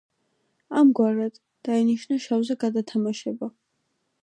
ამგვარად, დაინიშნა შავზე გადათამაშება.